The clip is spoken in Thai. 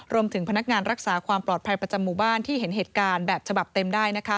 พนักงานรักษาความปลอดภัยประจำหมู่บ้านที่เห็นเหตุการณ์แบบฉบับเต็มได้นะคะ